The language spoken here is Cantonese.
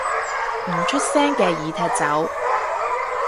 唔出聲嘅已踢走